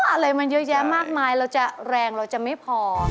อะไรมันเยอะแยะมากมายเราจะแรงเราจะไม่พอ